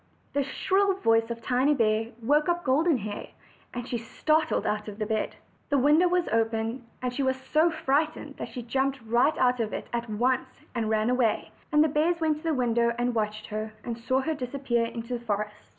The shrill voice of Tiny bear woke up Golden Hair, and she started out of bed. The window was open, and she was so frightened that she jumped right out of it at once, and ran away; and the bears went to the window and watched her, and saw her disappear in the forest.